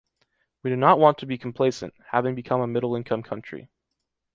We do not want to be complacent, having become a middle-income country.